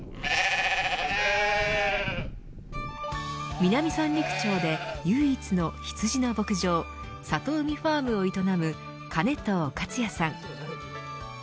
南三陸町で唯一の羊の牧場さとうみファームを営む金藤克也さん。